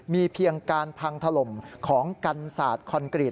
มีเพียงการพังถล่มของกันศาสตร์คอนกรีต